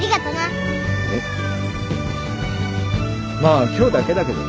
えっまあ今日だけだけどな。